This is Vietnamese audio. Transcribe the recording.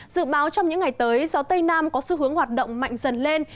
dự báo trong những ngày tới gió tây nam có xu hướng hoạt động mạnh dần lên